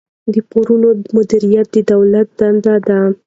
د پورونو مدیریت د دولت دنده ده.